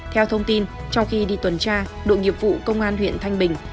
theo thông tin trong khi đi tuần tra đội nghiệp vụ công an huyện thanh bình